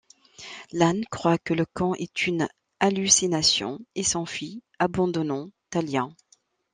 Lane croit que le camp est une hallucination et s'enfuit, abandonnant Talia.